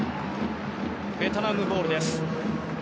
ベトナムボールです。